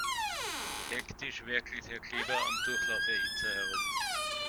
Hektisch werkelt Herr Kleber am Durchlauferhitzer herum.